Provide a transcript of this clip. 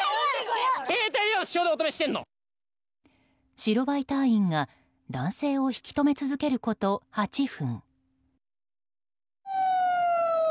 白バイ隊員が男性を引き止め続けること８分。